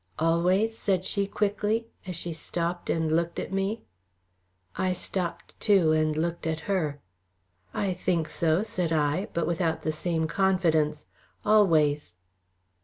"Always?" said she quickly, as she stopped and looked at me. I stopped, too, and looked at her. "I think so," said I, but without the same confidence. "Always."